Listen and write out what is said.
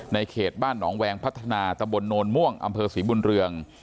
เขตบ้านหนองแวงพัฒนาตำบลโนนม่วงอำเภอศรีบุญเรือง